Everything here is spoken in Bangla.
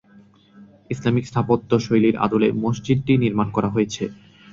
ইসলামিক স্থাপত্য শৈলীর আদলে মসজিদটি নির্মাণ করা হয়েছে।